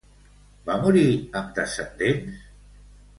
Va morir amb descendents?